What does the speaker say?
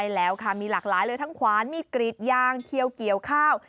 ใช่แล้วค่ะมีหลากหลายเลยทั้งขวานมีดกรีดยางเขียวเกี่ยวข้าว